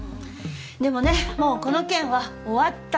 でもねもうこの件は終わったの。